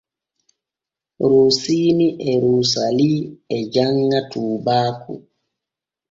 Rosiini e Roosalii e janŋa tuubaaku.